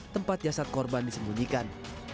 tempat jasad korban disembunyikan